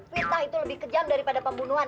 fitnah itu lebih kejam daripada pembunuhan